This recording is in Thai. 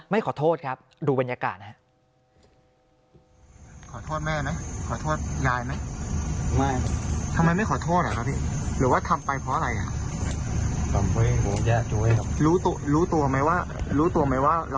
ไม่ขอโทษครับดูบรรยากาศนะฮะ